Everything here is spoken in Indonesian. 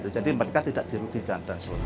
jadi mereka tidak dirugikan dan sebagainya